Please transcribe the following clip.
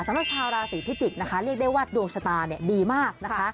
สำหรับชาวราศีพิจิกษ์นะคะเรียกได้ว่าดวงชะตาดีมากนะคะ